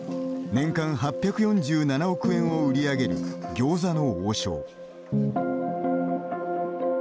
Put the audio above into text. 年間８４７億円を売り上げる餃子の王将。